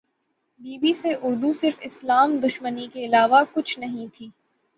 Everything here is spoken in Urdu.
بی بی سی اردو صرف اسلام دشمنی کے علاوہ کچھ نہیں کرتی